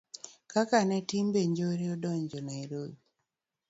kaka ne timbe njore odonjo Nairobi